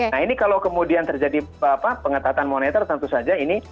nah ini kalau kemudian terjadi pengetatan moneter tentu saja ini